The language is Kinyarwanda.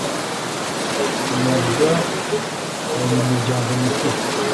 na by abanyamuryango nyakuri